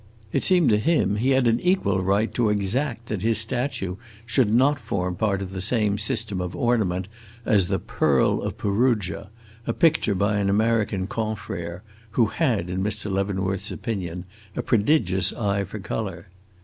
It seemed to him that he had an equal right to exact that his statue should not form part of the same system of ornament as the "Pearl of Perugia," a picture by an American confrere who had, in Mr. Leavenworth's opinion, a prodigious eye for color.